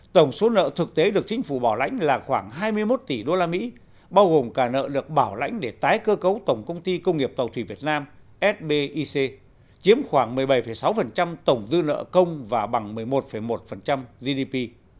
tổng số nợ thực tế được chính phủ bảo lãnh là khoảng hai mươi một tỷ usd bao gồm cả nợ được bảo lãnh để tái cơ cấu tổng công ty công nghiệp tàu thủy việt nam sbic chiếm khoảng một mươi bảy sáu tổng dư nợ công và bằng một mươi một một gdp